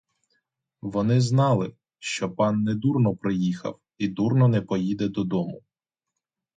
Вони знали, що пан не дурно приїхав і дурно не поїде додому.